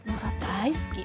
大好き。